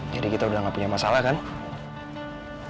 jadi kita udah nggak punya masalah lagi pak